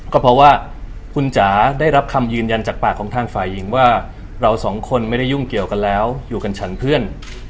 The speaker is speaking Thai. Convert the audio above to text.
ก็เพราะว่าคุณจ๋าได้รับคำยืนยันจากปากของทางฝ่ายหญิงว่าเราสองคนไม่ได้ยุ่งเกี่ยวกันแล้วอยู่กันฉันเพื่อน